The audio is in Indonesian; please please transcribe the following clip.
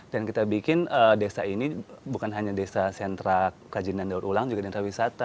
dan kita bikin desa ini bukan hanya desa sentra kajian dan daur ulang juga desa wisata